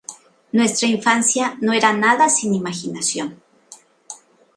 Nuestra infancia no era nada sin imaginación.